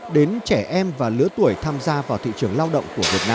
đến trẻ em và lứa tuổi tham gia vào thị trường lao động